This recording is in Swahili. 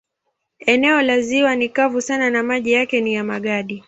Eneo la ziwa ni kavu sana na maji yake ni ya magadi.